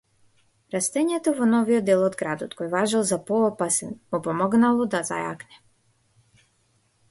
Растењето во новиот дел од градот, кој важел за поопасен, му помогнално да зајакне.